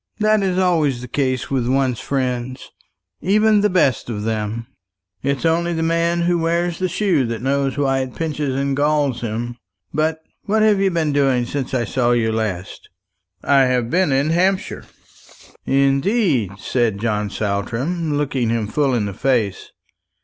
That is always the case with one's friends even the best of them. It's only the man who wears the shoe that knows why it pinches and galls him. But what have you been doing since I saw you last?" "I have been in Hampshire." "Indeed!" said John Saltram, looking him full in the face.